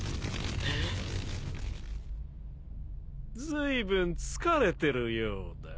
ずいぶん疲れてるようだ。